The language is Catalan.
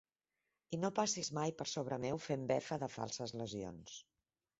I no passis mai per sobre meu fent befa de falses lesions.